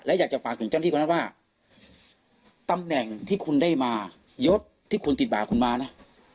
และอยากจะฝากถึงเจ้าหน้าที่คนนั้นว่าตำแหน่งที่คุณได้มายศที่คุณติดบาทคุณมานะ